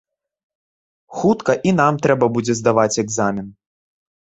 Хутка і нам трэба будзе здаваць экзамен.